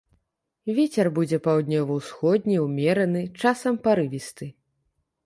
Вецер будзе паўднёва-ўсходні ўмераны, часам парывісты.